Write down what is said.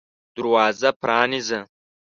دروازه پرانیزه !